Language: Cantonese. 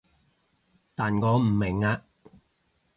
但我唔明啊